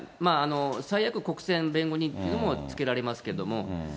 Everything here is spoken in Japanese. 最悪、国選弁護人というのもつけられますけれども。